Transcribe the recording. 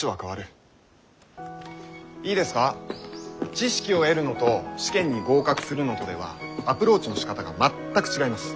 知識を得るのと試験に合格するのとではアプローチのしかたが全く違います。